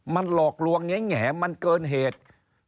มันหลอกลวงแง่มันเกินเหตุ